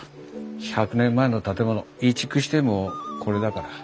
１００年前の建物移築してもこれだから。